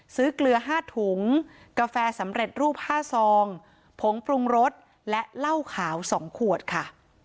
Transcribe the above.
เกลือ๕ถุงกาแฟสำเร็จรูป๕ซองผงปรุงรสและเหล้าขาว๒ขวดค่ะ